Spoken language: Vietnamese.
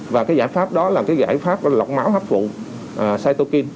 và cái giải pháp đó là cái giải pháp lọc máu hấp phụ cytokine